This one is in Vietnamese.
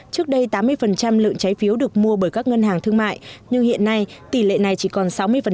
trước đây tám mươi lượng trái phiếu được mua bởi các ngân hàng thương mại nhưng hiện nay tỷ lệ này chỉ còn sáu mươi